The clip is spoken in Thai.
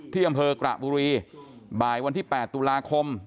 ที่อำเภอกระบุรีบ่ายวันที่๘ตุลาคม